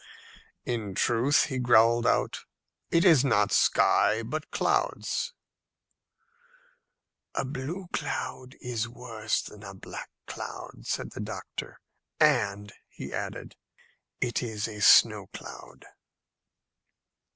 "In truth," he growled out, "it is not sky but clouds." "A blue cloud is worse than a black cloud," said the doctor; "and," he added, "it's a snow cloud."